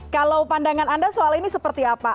kalau pandangan anda soal ini seperti apa